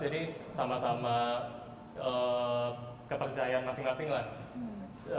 jadi sama sama kepercayaan masing masing lah